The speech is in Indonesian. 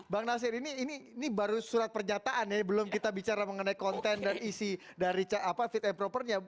bang nasir ini baru surat pernyataan ya belum kita bicara mengenai konten dan isi dari fit and propernya